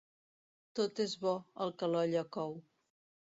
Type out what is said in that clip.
Tot és bo, el que l'olla cou.